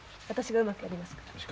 私がうまくやりますから。